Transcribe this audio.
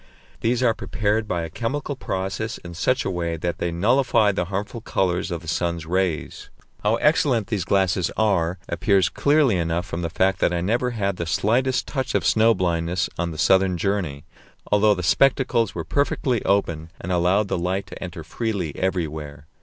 These are prepared by a chemical process in such a way that they nullify the harmful colours in the sun's rays. How excellent these glasses are appears clearly enough from the fact that I never had the slightest touch of snow blindness on the southern journey, although the spectacles were perfectly open and allowed the light to enter freely everywhere.